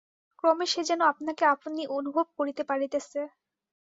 ক্রমে সে যেন আপনাকে আপনি অনুভব করিতে পারিতেছে।